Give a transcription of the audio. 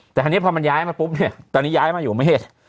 แต่อันนี้พอมันย้ายมาปุ๊บตอนนี้ย้ายมาอยู่เมศ